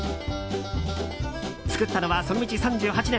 作ったのは、その道３８年。